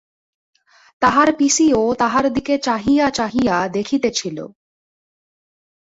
তাহার পিসিও তাহার দিকে চাহিয়া চাহিয়া দেখিতেছিল।